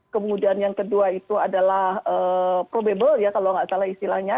kemudian yang kedua itu adalah probable ya kalau nggak salah istilahnya